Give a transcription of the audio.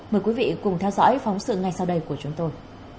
mời quý vị cùng theo dõi phóng sự ngay sau đây của chúng tôi